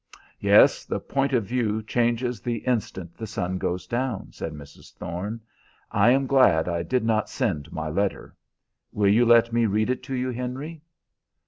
"Yes, the point of view changes the instant the sun goes down," said Mrs. Thorne. "I am glad I did not send my letter. Will you let me read it to you, Henry?"